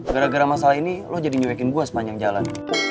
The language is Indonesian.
gara gara masalah ini lo jadi nyuekin gue sepanjang jalan